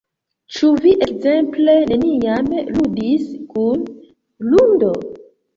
Ĉu vi ekzemple neniam ludis kun hundo?